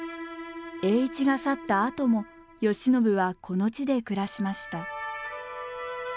栄一が去ったあとも慶喜はこの地で暮らしました。